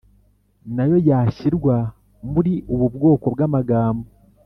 Na yo yashyirwa muri ubu bwoko bw’amagambo?